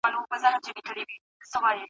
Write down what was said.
هر څه چي غریب وایي هغه باطل ګڼل کیږي.